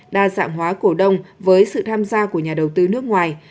đa dạng hóa cổ đông với sự tham gia của nhà đầu tư nước ngoài